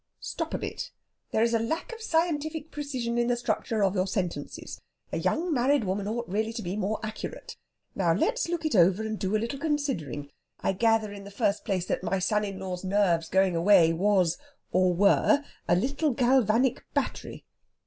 "Stop a bit! There is a lack of scientific precision in the structure of your sentences. A young married woman ought really to be more accurate. Now let's look it over, and do a little considering. I gather, in the first place, that my son in law's nerves going away was, or were, a little galvanic battery...."